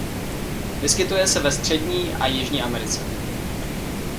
Vyskytuje se ve střední a Jižní Americe.